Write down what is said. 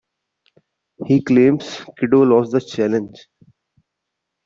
He claims Kiddo lost the challenge.